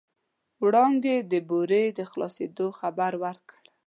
وړانګې د بورې د خلاصېدو خبر ورکړ.